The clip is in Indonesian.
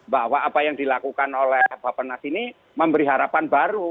bahwa apa yang dilakukan oleh bapak nas ini memberi harapan baru